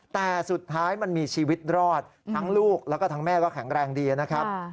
แต่สุดท้ายมันมีชีวิตรอดทั้งลูกแล้วก็ทั้งแม่ก็แข็งแรงดีนะครับ